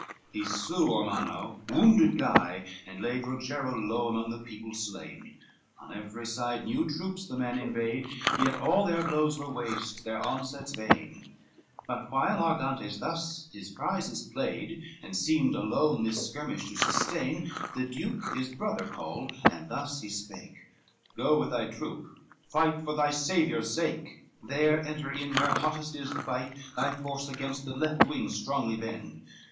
CIX He slew Ormanno, and wounded Guy, and laid Rogero low, among the people slain, On every side new troops the man invade, Yet all their blows were waste, their onsets vain, But while Argantes thus his prizes played, And seemed alone this skirmish to sustain, The duke his brother called and thus he spake, "Go with thy troop, fight for thy Saviour's sake; CX "There enter in where hottest is the fight, Thy force against the left wing strongly bend."